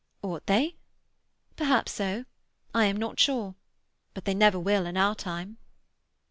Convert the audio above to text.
"Ought they? Perhaps so. I am not sure. But they never will in our time."